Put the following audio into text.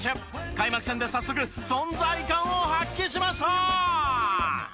開幕戦で早速存在感を発揮しました。